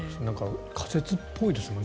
仮設っぽいですよね。